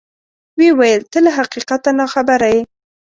ویې ویل: ته له حقیقته ناخبره یې.